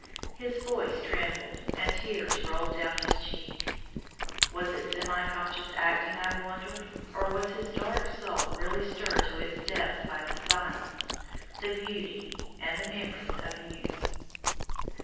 His voice trembled, and tears rolled down his cheek. Was it semi conscious acting, I wondered, or was his dark soul really stirred to its depths by the silence, the beauty, and the memories of youth?